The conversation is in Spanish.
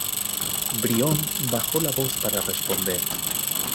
Brión bajó la voz para responder: